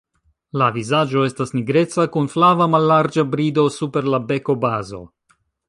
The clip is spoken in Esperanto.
La vizaĝo estas nigreca kun flava mallarĝa brido super la bekobazo.